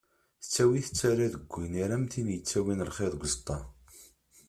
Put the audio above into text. Tettawi tettara deg ugnir am tin yettawin lxiḍ deg uẓeṭṭa.